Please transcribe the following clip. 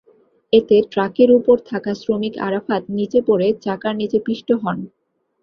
এতে ট্রাকের ওপর থাকা শ্রমিক আরাফাত নিচে পড়ে চাকার নিচে পিষ্ট হন।